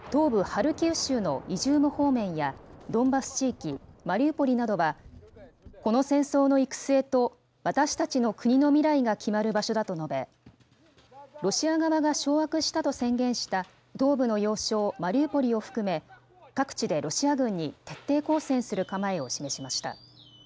ハルキウ州のイジューム方面やドンバス地域、マリウポリなどはこの戦争の行く末と私たちの国の未来が決まる場所だと述べ、ロシア側が掌握したと宣言した東部の要衝マリウポリを含め、各地でロシア軍に徹底抗戦する構えを示しました。